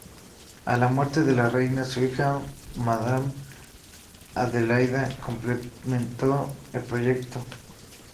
A la muerte de la reina, su hija madame Adelaida completó el proyecto.